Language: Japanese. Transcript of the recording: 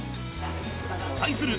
対する